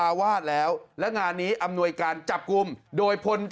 อาวาสมีการฝังมุกอาวาสมีการฝังมุกอาวาสมีการฝังมุก